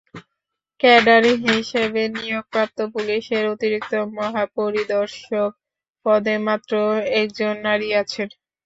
Cadre হিসেবে নিয়োগপ্রাপ্ত পুলিশের অতিরিক্ত মহাপরিদর্শক পদে মাত্র একজন নারী আছেন।